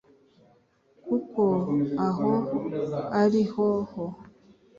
kuko aho ari ho ho